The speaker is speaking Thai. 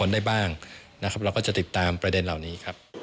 ได้บ้างนะครับจะติดตามประเด็นเหล่านี้